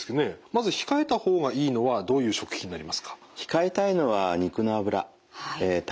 まず控えた方がいいのはどういう食品になりますか？